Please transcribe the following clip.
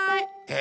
え！